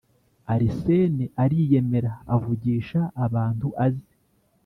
Arisene ariyemera avugisha abantu azi